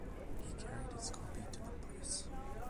He carried his copy to the press.